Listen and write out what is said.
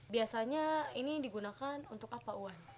biasanya ini digunakan untuk apa wan